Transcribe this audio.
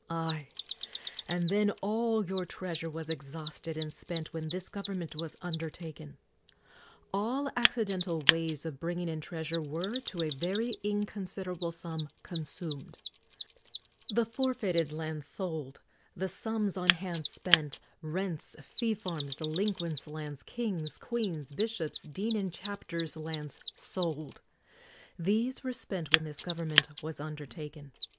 Aye ; and then all your treasure was exhausted and spent when this government was under taken: all accidental ways of bringing in treas ure were, to a very inconsiderable sum, con sumed, — the forfeited lands sold; the sums on hand spent ; rents, fee farms, delinquents ' lands, king's, queen's, bishops', dean and chapters ? lands, sold. These were spent when this gov ernment was undertaken.